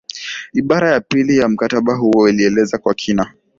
ibara ya pili ya mkataba huo ilieleza kwa kina